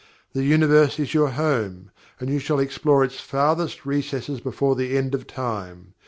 The Universe is your home, and you shall explore its farthest recesses before the end of Time.